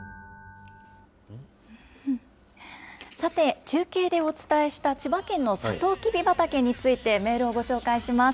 さて、中継でお伝えした、千葉県のさとうきび畑について、メールをご紹介します。